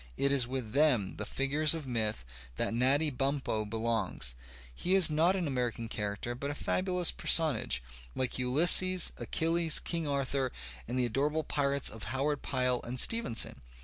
It is with them, the figutegLof P^th, that Natty Bumppo belongs; he is not an American character but a fabulous personage, like Ulysses, AchUles, Eang Arthur, and the adorable pirates of Howard Pyle and Stevenson.